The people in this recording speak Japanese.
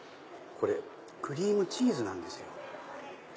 これクリームチーズなんですよ。